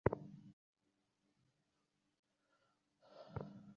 বাস্তবিক পক্ষে একজনও এই দৃশ্যজগতের অতীত কিছুর ধারণা করিতে পারে কিনা, সন্দেহ।